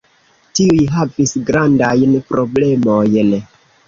Tiuj havis grandajn problemojn.